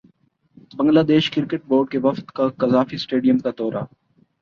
Bangladesh cricket board کے وفد کا قذافی اسٹیڈیم کا دورہ